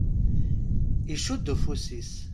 Icudd ufus-is.